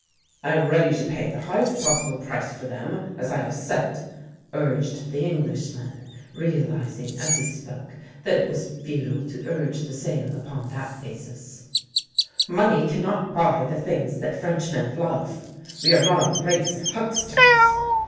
" I am ready to pay the highest possible price for them, as I have said," urged the Englishman, realising THE LANE THAT HAD NO TURNING 27 as he spoke that it was futile to urge the sale upon that basis. " Money cannot buy the things that Frenchmen love. We are not a race of hucksters!